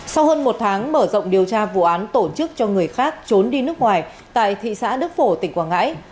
sau hơn một tháng mở rộng điều tra vụ án tổ chức cho người khác trốn đi nước ngoài tại thị xã đức phổ tỉnh quảng ngãi